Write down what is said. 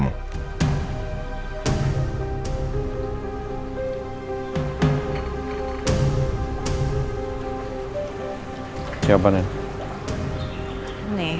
jangan rindukan aku slash ya